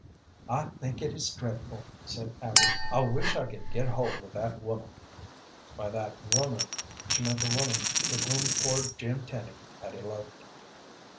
"I think it is dreadful," said Abby. "I wish I could get hold of that woman." By "that woman" she meant the woman with whom poor Jim Tenny had eloped.